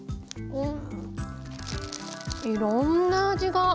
うん。